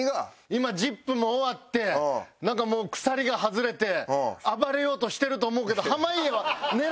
今『ＺＩＰ！』も終わってなんかもう鎖が外れて暴れようとしてると思うけど。